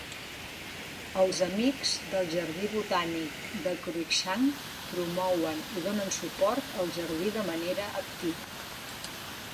Els Amics del Jardí Botànic de Cruickshank promouen i donen suport al jardí de manera activa.